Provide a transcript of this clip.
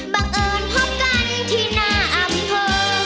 เราคนนั้นบังเอิญพบกันที่หน้าอำเภอ